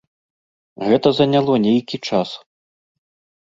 Гэта заняло нейкі час.